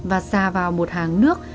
và xa vào một hàng nước